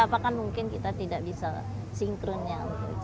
apakah mungkin kita tidak bisa sinkronnya